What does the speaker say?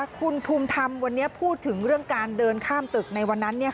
คุณภูมิธรรมวันนี้พูดถึงเรื่องการเดินข้ามตึกในวันนั้น